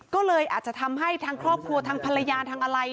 ก็เลยอาจจะทำให้ทางครอบครัวทางภรรยาทางอะไร